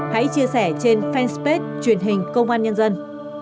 hãy chia sẻ trên fanpage truyền hình công an nhân dân